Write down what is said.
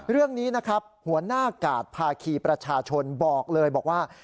เรื่องนี้นะครับหัวหน้ากาดภาคีประชาชนบอกเลยบอกว่า